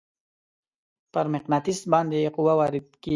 پر مقناطیس باندې قوه وارد کیږي.